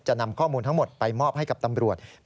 นำข้อมูลทั้งหมดไปมอบให้กับตำรวจ